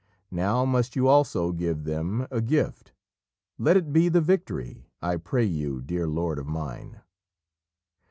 Now must you also give them a gift! Let it be the victory, I pray you, dear lord of mine."